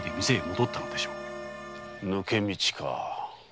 抜け道か。